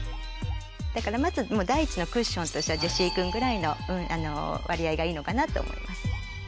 だからまず第一のクッションとしてはジェシー君ぐらいの割合がいいのかなと思います。